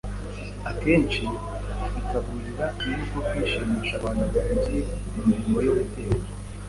akenshi ikaburira muri uko kwishimisha abantu bahugiye mu mirimo yo guteka,